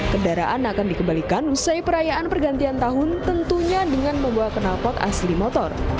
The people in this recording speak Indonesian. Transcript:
kendaraan akan dikembalikan usai perayaan pergantian tahun tentunya dengan membawa kenalpot asli motor